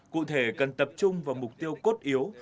cụ thể cần tập trung vào mục tiêu cốt yếu